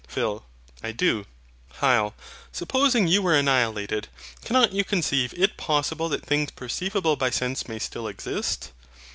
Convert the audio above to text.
PHIL. I do. HYL. Supposing you were annihilated, cannot you conceive it possible that things perceivable by sense may still exist?